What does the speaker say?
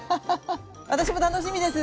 私も楽しみです。